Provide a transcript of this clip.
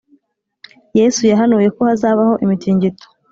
Yesu yahanuye ko hazabaho imitingito